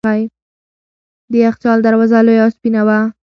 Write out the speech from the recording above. د یخچال دروازه لویه او سپینه وه.